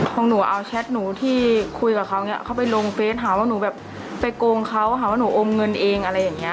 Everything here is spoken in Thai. ของหนูเอาแชทหนูที่คุยกับเขาเนี่ยเขาไปลงเฟสหาว่าหนูแบบไปโกงเขาหาว่าหนูอมเงินเองอะไรอย่างเงี้